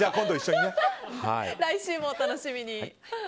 来週もお楽しみに。